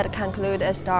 itu mengakhiri cerita